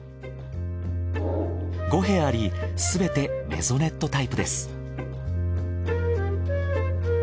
５部屋ありすべてメゾネットタイプです。